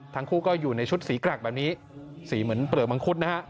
ทั้งคู่ก็อยู่ในชุดสีกรักแบบนี้สีเหมือนเปลือกมังคุดนะฮะ